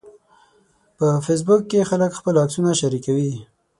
په فېسبوک کې خلک خپل عکسونه شریکوي